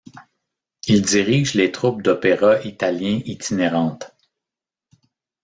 Il dirige les troupes d'opéra italien itinérantes.